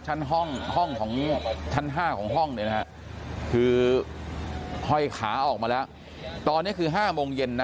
ชั้นห้องชั้นห้าของห้องเลยนะครับคือห้อยขาออกมาแล้วตอนเนี้ยคือห้าโมงเย็นนะ